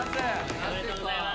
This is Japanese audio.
おめでとうございます。